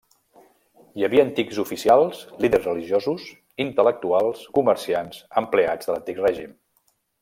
Hi havia antics oficials, líders religiosos, intel·lectuals, comerciants, empleats de l'antic règim.